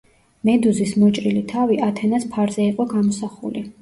მედუზის მოჭრილი თავი ათენას ფარზე იყო გამოსახული.